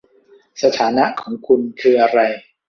สถานะของคุณคืออะไร